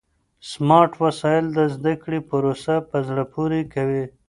سمارټ وسایل د زده کړې پروسه په زړه پورې کوي.